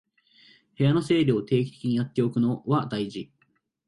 部屋の整理を定期的にやっておくのは大事